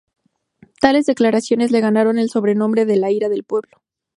Tales declaraciones le ganaron el sobrenombre de "La ira del pueblo".